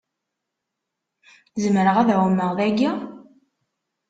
Zemreɣ ad ɛummeɣ dagi?